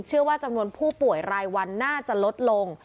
เชื่อว่าจำนวนผู้ป่วยรายวันน่าจะลดลง